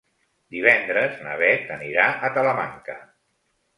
Divendres na Bet anirà a Talamanca.